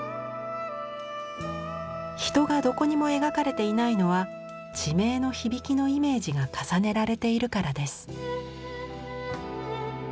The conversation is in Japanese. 人がどこにも描かれていないのは地名の響きのイメージが重ねられているからです。